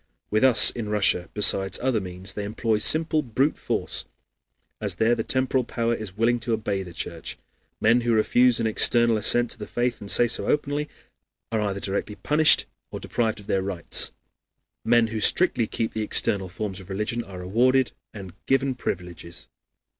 With us in Russia, besides other means, they employ, simple brute force, as there the temporal power is willing to obey the Church. Men who refuse an external assent to the faith, and say so openly, are either directly punished or deprived of their rights; men who strictly keep the external forms of religion are rewarded and given privileges.